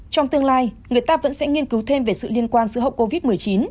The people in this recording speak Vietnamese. trong tương lai người ta vẫn sẽ nghiên cứu thêm về sự liên quan giữa hậu covid một mươi chín